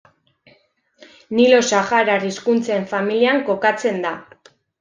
Nilo-saharar hizkuntzen familian kokatzen da.